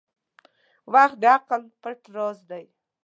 • وخت د عقل پټ راز دی.